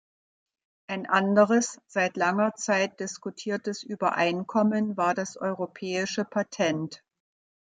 Ein anderes, seit langer Zeit diskutiertes Übereinkommen war das Europäische Patent.